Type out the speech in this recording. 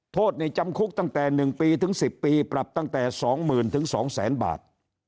โทษในจำคุกตั้งแต่๑ปีถึง๑๐ปีปรับตั้งแต่๒๐๐๐๒๐๐๐บาท